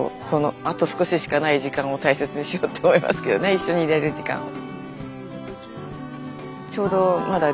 一緒にいれる時間を。